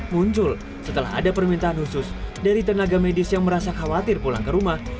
muncul setelah ada permintaan khusus dari tenaga medis yang merasa khawatir pulang ke rumah